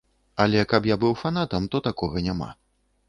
Але каб я быў фанатам, то такога няма.